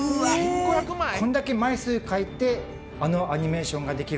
こんだけ枚数かいてあのアニメーションができる。